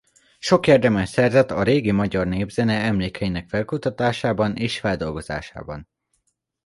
Sok érdemet szerzett a régi magyar népzene emlékeinek felkutatásában és feldolgozásában.